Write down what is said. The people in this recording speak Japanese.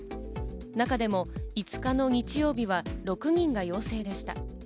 中でも５日の日曜日は６人が陽性でした。